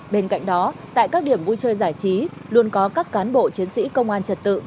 bên cạnh đó tại các điểm vui chơi giải trí luôn có các cán bộ chiến sĩ công an trật tự